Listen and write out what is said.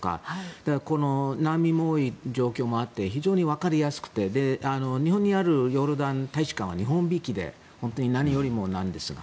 だから難民も多い状況もあって非常にわかりやすくて日本にあるヨルダン大使館は日本びいきで本当に何よりなんですが。